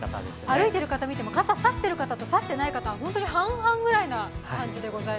歩いてる方見ても、傘差してる方差してない方、半々くらいな感じです。